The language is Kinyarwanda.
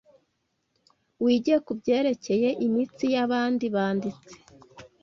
Wige kubyerekeye imitsi yabandi banditsi